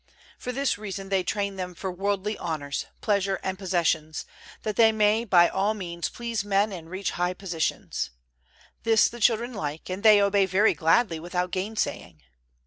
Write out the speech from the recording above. For this reason they train them for worldly honors, pleasure and possessions, that they may by all means please men and reach high positions: this the children like, and they obey very gladly without gainsaying.